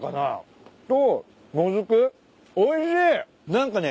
何かね